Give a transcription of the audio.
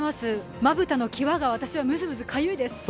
まぶたの際が私はむずむずかゆいです。